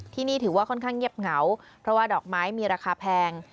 ที่นี่ถือว่าค่อนข้างเงียบเหงาเพราะว่าดอกไม้มีราคาแพง